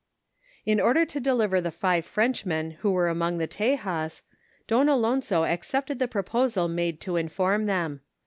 In order to deliver tho five Frenchmen who wero anion^; tho Tejas, Don Alonso noooptcd tho pro|>oHal mado to inform them.